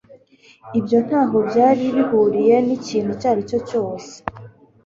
Ibyo ntaho byari bihuriye n'ikintu icyo ari cyo cyose.